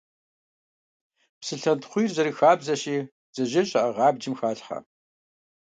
Псылъэнтхъуийр, зэрыхабзэщи, бдзэжьей щаӀыгъ абджым халъхьэ.